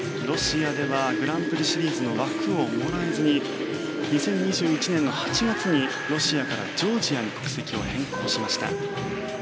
ロシアではグランプリシリーズの枠をもらえずに２０２１年の８月にロシアからジョージアに国籍を変更しました。